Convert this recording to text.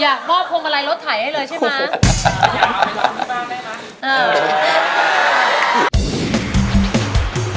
อยากมอบพวงมาลัยรถไถให้เลยใช่ไหม